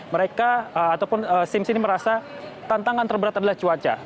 mereka ataupun sims ini merasa tantangan terberat adalah cuaca